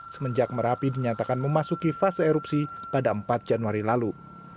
semenjak merapi dinyatakan memasuki fase erupsi pada empat januari lalu